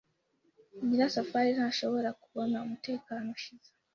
Nyirasafari ntashobora kubona umutekano ushize.